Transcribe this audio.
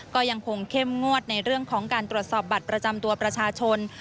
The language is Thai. ก็ยังคงเข้มงวดในเรื่องของการตรวจสอบบัตรประจำตัวประชาชน